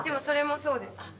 それもそうです。